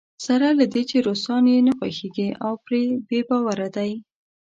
سره له دې چې روسان یې نه خوښېږي او پرې بې باوره دی.